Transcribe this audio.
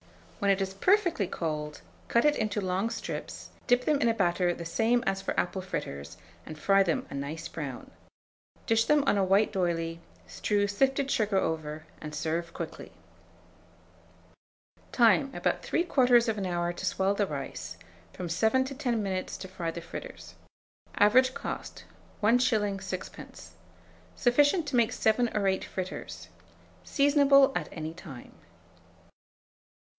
When it is perfectly cold, cut it into long strips, dip them in a batter the same as for apple fritters, and fry them a nice brown. Dish them on a white d'oyley, strew sifted sugar over, and serve quickly. Time. About 3/4 hour to swell the rice; from 7 to 10 minutes to fry the fritters. Average cost, 1s. 6d. Sufficient to make 7 or 8 fritters. Seasonable at any time.